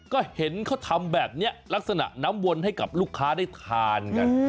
ก็เห็นเขาทำแบบนี้ลักษณะน้ำวนให้กับลูกค้าได้ทานกัน